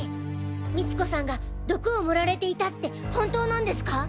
美知子さんが毒を盛られていたって本当なんですか？